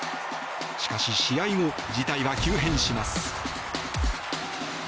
しかし、試合後事態は急変します。